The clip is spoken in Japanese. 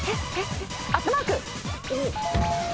アットマーク。